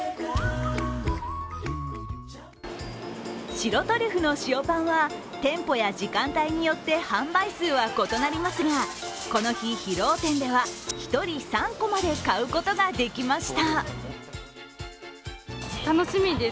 白トリュフの塩パンは、店舗や時間帯によって販売数は異なりますが、この日、広尾店では１人３個まで買うことができました。